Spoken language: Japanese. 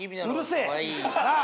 なあ。